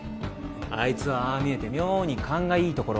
あいつはああ見えて妙に勘がいいところがある。